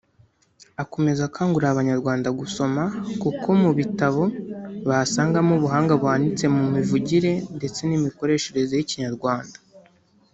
Akomeza akangurira Abanyarwanda gusoma kuko mu bitabo bahasangamo ubuhanga buhanitse mu mivugire ndetse n’imikoreshereze y’Ikinyarwanda